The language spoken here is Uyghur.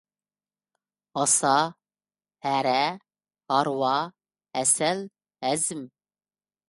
ھاسا، ھەرە، ھارۋا، ھەسەل، ھەزىم.